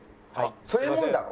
そういうもんだろ？